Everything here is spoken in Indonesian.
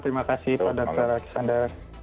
terima kasih pak dr alexander